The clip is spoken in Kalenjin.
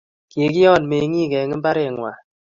Kikiyon Meng'ik eng mbarengwai